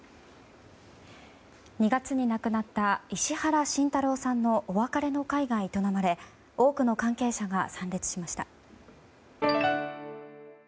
２月に亡くなった石原慎太郎さんのお別れの会が営まれ多くの関係者が参列しました。